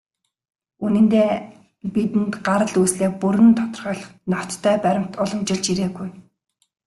Үнэндээ, бидэнд гарал үүслээ бүрэн тодорхойлох ноттой баримт уламжилж ирээгүй.